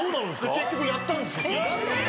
結局やったんですよ。